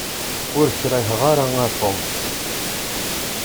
Ur k-kriheɣ ara a Tom.